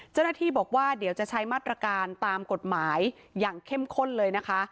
เจ้าหน้าที่บอกว่าเดี๋ยวจะใช้มาตรการตามกฎหมายอย่างเข้มข้นเลยนะคะ